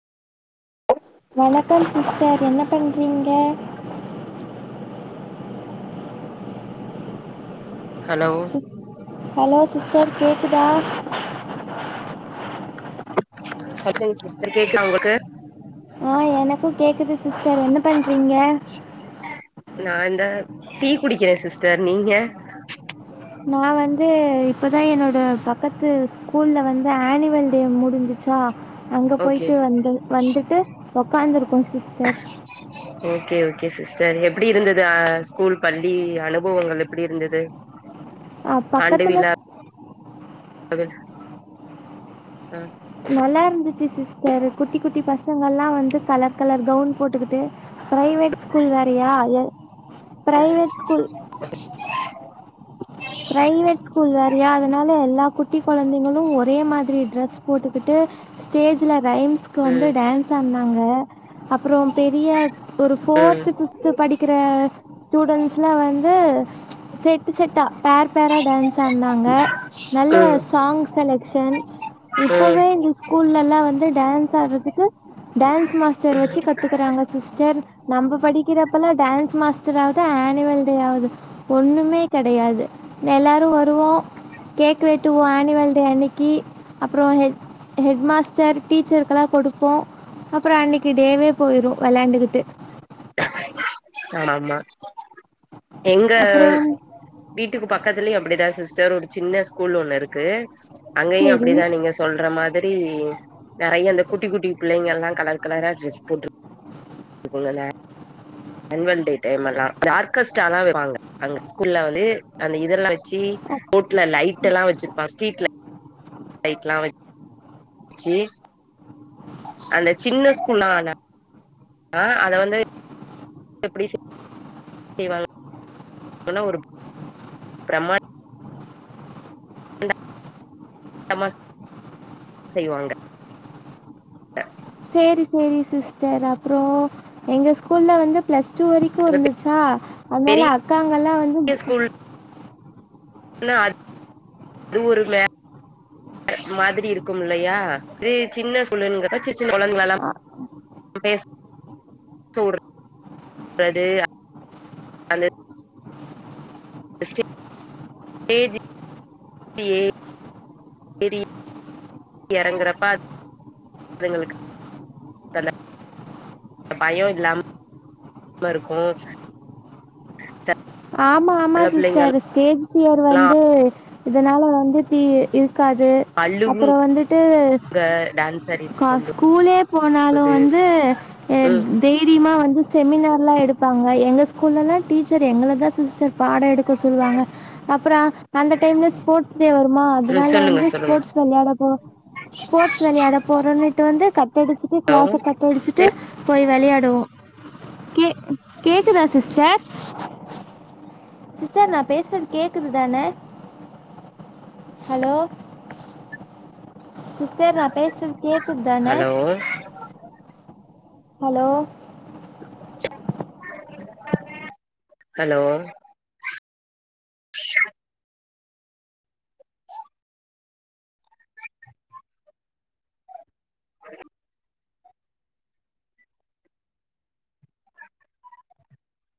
வணக்கம் சிஸ்டர் என்ன பண்றீங்க ஹலோ ஹலோ சிஸ்டர் கேக்குதா [unintelligible] சிஸ்டர் கேக்குதா உங்களுக்கு ஆ எனக்கும் கேக்குது சிஸ்டர் என்ன பண்றீங்க நா இந்த டீ குடிக்கிறேன் சிஸ்டர் நீங்க நா வந்து இப்பதா என்னோட பக்கத்து ஸ்கூல்ல வந்து ஆனுவல் டே முடிஞ்சுச்சா அங்க ஓகே போயிட்டு வந்து வந்துட்டு உக்காந்து இருக்கோம் சிஸ்டர் ஓகே ஓகே சிஸ்டர் எப்படி இருந்தது ஸ்கூல் பள்ளி அனுபவங்கள் எப்படி இருந்தது [unintelligible] ஆண்டு பக்கத்துல விழா ஆ நல்லா இருந்துச்சு சிஸ்டர் குட்டி குட்டி பசங்கள்லாம் வந்து கலர் கலர் கவுன் போட்டுக்கிட்டு பிரைவேட் ஸ்கூல் வேறையா என் பிரைவேட் ஸ்கூல் [inaudible] பிரைவேட் ஸ்கூல் வேறயா அதனால எல்லா குட்டி குழந்தைங்களும் ஒரே மாதிரி ட்ரெஸ் போட்டுக்கிட்டு ஸ்டேஜ்ல ரைம்ஸ்க்கு வந்து ம் டான்ஸ் ஆடுனாங்க அப்புறம் பெரிய ஒரு ம் ஃபோர்த்து ஃபிப்ஃத்து த்து படிக்கிற ஸ்டூடென்ஸ்லா வந்து செட்டு செட்டா பேர் பேரா டான்ஸ் ஆடுனாங்க நல்ல ம் சாங் செலக்ஷன் ம் இப்பவே இந்த ஸ்கூல்ல எல்லா வந்து டான்ஸ் ஆடுறதுக்கு டான்ஸ் மாஸ்டர் வச்சு கத்துக்குறாங்க சிஸ்டர் நம்ம படிக்கிறப்பல்லாம் டான்ஸ் மாஸ்டர்ராவது ஆனுவல் டே ஆவது ஒண்ணுமே கிடையாது எல்லாரும் வருவோம் கேக் வெச் வெட்டுவோ ஆனிவேல் டே அன்னைக்கு அப்புறம் ஹெட் மாஸ்டர் டீச்சருக்கெல்லாம் குடுப்போம்--குடுப்போம் அப்புறம் அன்னைக்கு டேவே போயிடும் விளையாண்டுகிட்டு ஆ ஆமா எங்க அப்புறம் வந்து வீட்டுக்கு பக்கத்துலயும் அப்படிதா சிஸ்டர் ஒரு சின்ன ஸ்கூல் ஒண்ணு இருக்கு அங்கயும் சரி அப்படிதா நீங்க சொல்ற மாதிரி நெறைய இந்த குட்டி குட்டி பிள்ளைங்க எல்லா கலர் கலரா ட்ரெஸ் போட்டு இப்ப சொல்லுங்க அன்வல் டே டைம் எல்லா டார்கஸ்ட் ஆளா வருவாங்க அங்க ஸ்கூல்ல வந்து அந்த இதெல்லாம் வச்சி ஹோட்ல லைட் எல்லா வச்சிருப்பா ஸ்டீட்ல லைட்ல்லா ஸ்வீட் [unintelligible] அந்த சின்ன ஸ்கூல்லான ஆ அத வந்து எப்டி சு இவள் சொல்ல உருப் பிரம்மட் நமாஸ் செய்வாங்க [inaudible] சேரி சேரி சிஸ்டர் அப்றோ எங்க ஸ்கூல்ல வந்து ப்ளஸ் டு வரிக்கு இப்ப இருந்துச்சா அதனால பெரிய அக்காங்கல்லா வந்து என்ன அது ஒரு ம மாதிரி இருக்கும் இல்லயா இதே சின்ன ஸ்கூலுன் கேட்டா அ- சின் [inaudible] [inaudible] ஏறி எறங்குறப்ப அதுங்களுக்கு அந்த பயோ இல்லாம இருக்கு ஆமா ஆமா சில பிள்ளைங்க சிஸ்டர் ஸ்டேஜ் பியர் எல்லா வந்து இதனால வந்து தீ இருக்காது அழுகுங்க அப்புறோ வந்துட்டு டான்ஸ் ஆடிட்டு கா இருக்கும்போது ஸ்கூலே போனாலு வந்து அ ம் தைரியமா வந்து செமினார்ல்லா எடுப்பாங்க எங்க ஸ்கூல்லல்லா டீச்சர் எங்கள தா சிஸ்டர் பாடோ எடுக்க சொல்லுவாங்க அப்புறோ அந்த டைம்ல ஸ்போட்ஸ் டே வருமா ம் அதனால சொல்லுங்க வந்து சொல்லுங்க ஸ்போட்ஸ் வெளையாட போறோ ஸ்போட்ஸ் வெளையாட போறோன்னுட்டு வந்து கட்டடிச்சிட்டு ஹலோ க்ளஸ்ச கட்டடிச்சி டு போய் வெளையாடுவோ கே கேக்குதா சிஸ்டர் சிஸ்டர் நா பேசுறது கேக்குது தான ஹலோ சிஸ்டர் நா பேசுறது கேக் குத்தான ஹலோ ஹலோ ஹலோ [inaudible] [inaudible]